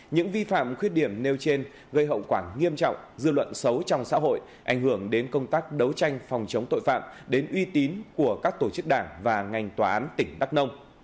những vi phạm khuyết điểm nêu trên gây hậu quả nghiêm trọng dư luận xấu trong xã hội ảnh hưởng đến công tác đấu tranh phòng chống tội phạm đến uy tín của các tổ chức đảng và ngành tòa án tỉnh đắk nông